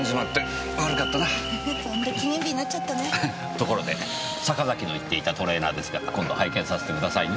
ところで坂崎の言っていたトレーナーですが今度拝見させてくださいね。